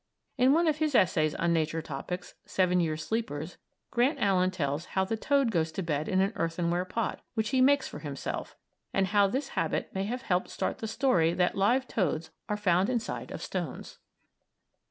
In one of his essays on nature topics "Seven Year Sleepers" Grant Allen tells how the toad goes to bed in an earthenware pot, which he makes for himself, and how this habit may have helped start the story that live toads are found inside of stones.